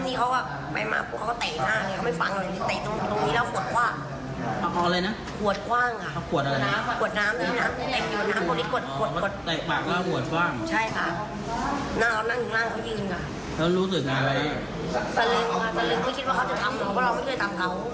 ก็เลยคิดว่าเขาจะทำหรือว่าเราไม่ได้ตามทำ